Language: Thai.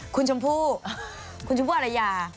คุณชมพู่คุณชมพู่อรยา